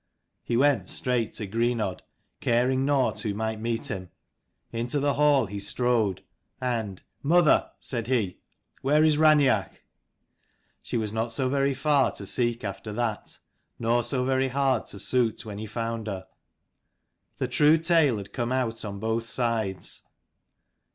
" He went straight to Greenodd, caring nought who might meet him. Into the hall he strode, and " Mother," said he, "where is Raineach?" She was not so very far to seek after that ; nor so very hard to suit when he found her. The true tale had come out on both sides.